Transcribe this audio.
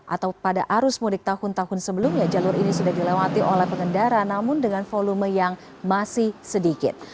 atau pada arus mudik tahun tahun sebelumnya jalur ini sudah dilewati oleh pengendara namun dengan volume yang masih sedikit